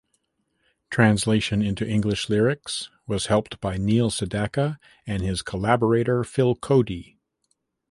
Translation into English lyrics was helped by Neil Sedaka and his collaborator Phil Cody.